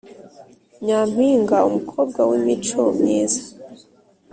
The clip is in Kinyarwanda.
nyampinga: umukobwa w’imico myiza